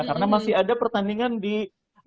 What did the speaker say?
karena masih ada pertandingan di fase sebelumnya